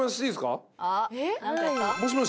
もしもし。